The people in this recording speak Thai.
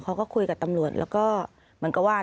เขาก็คุยกับตำรวจแล้วก็เหมือนกับว่า